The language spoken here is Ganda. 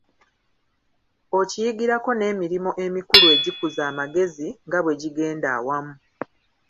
Okiyigirako n'emirimo emikulu egikuza amagezi, nga bwe gigenda awamu.